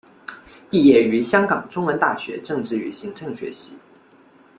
毕业于香港中文大学政治与行政学系。